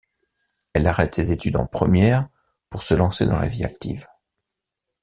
Elle arrête ses études en première pour se lancer dans la vie active.